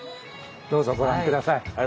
どうぞご覧下さい。